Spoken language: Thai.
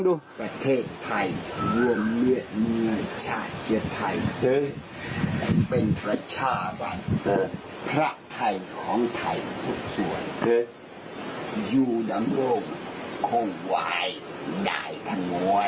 ด้วยถ้าย้วนมายรักสามัญแทน